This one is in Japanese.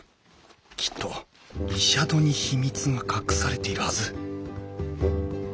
きっとイシャドに秘密が隠されているはず